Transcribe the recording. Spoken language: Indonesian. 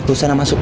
tuh sana masuk